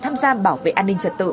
tham gia bảo vệ an ninh trật tự